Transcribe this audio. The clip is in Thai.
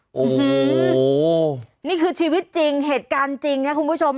โอ้โหนี่คือชีวิตจริงเหตุการณ์จริงนะคุณผู้ชม